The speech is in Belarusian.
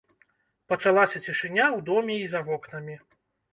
Пачалася цішыня ў доме і за вокнамі.